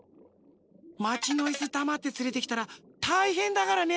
まちのいすだまってつれてきたらたいへんだからね。